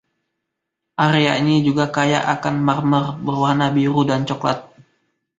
Area ini juga kaya akan marmer berwarna biru dan coklat.